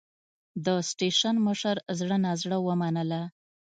د سټېشن مشر زړه نازړه ومنله.